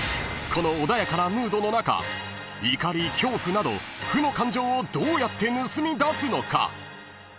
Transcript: ［この穏やかなムードの中怒り恐怖など負の感情をどうやって盗み出すのか？］